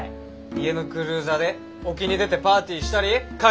家のクルーザーで沖に出てパーティーしたりカジキ釣っちゃったり。